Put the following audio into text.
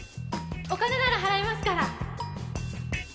お金なら払いますから